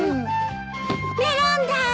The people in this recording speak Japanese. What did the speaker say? メロンだ！